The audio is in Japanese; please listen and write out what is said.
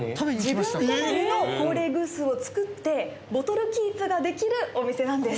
自分好みのコーレーグースを作ってボトルキープができるお店なんです。